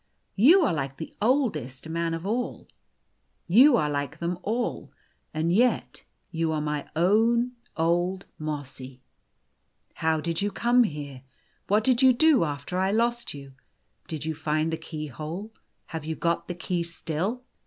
You are like the oldest man of all. You are like them all. And yet you are my own old Mossy ! How did you come here ? What did you do after I lost you ? Did you find the keyhole ? Have you got the key still